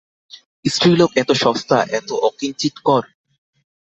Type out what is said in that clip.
স্ত্রীলোক এত সস্তা, এত অকিঞ্চিৎকর!